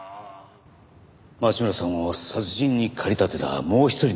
町村さんを殺人に駆り立てたもう一人の人物